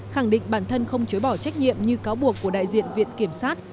khẳng định bản thân không chối bỏ trách nhiệm như cáo buộc của đại diện viện kiểm sát